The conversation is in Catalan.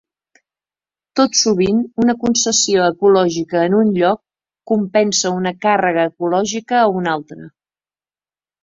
Tot sovint, una concessió ecològica en un lloc compensa una càrrega ecològica a un altre.